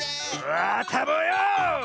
あたぼうよ！